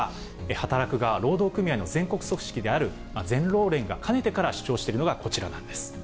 働く側、労働組合の全国組織である全労連がかねてから主張しているのがこちらなんです。